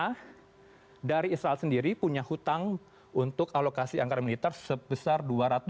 karena dari israel sendiri punya hutang untuk alokasi anggaran militer sebesar dua ratus